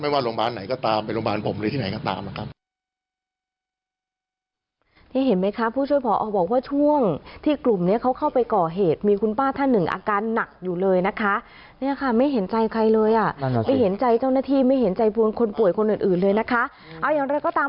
ไม่ว่าโรงพยาบาลไหนก็ตาม